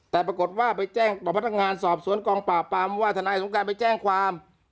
แต่ปรากฏว่าไปแจ้งต่อพนักงานสอบสวนกองปราบปรามว่าทนายสงการไปแจ้งความ